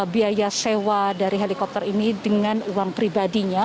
biaya sewa dari helikopter ini dengan uang pribadinya